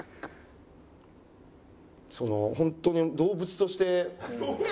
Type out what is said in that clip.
その本当に動物として。